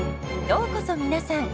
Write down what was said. ようこそ皆さん。